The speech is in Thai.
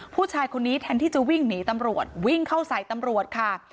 ผู้ชายคนนี้แทนที่จะวิ่งหนีตำรวจวิ่งเข้าใส่ตำรวจค่ะ